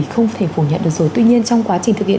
không thể phủ nhận được rồi tuy nhiên trong quá trình thực hiện